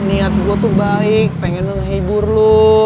niat gue tuh baik pengen menghibur lo